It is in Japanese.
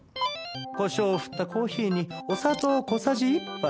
こしょうを振ったコーヒーにお砂糖を小さじ１杯。